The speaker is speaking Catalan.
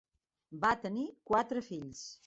Va tenir quatre fills.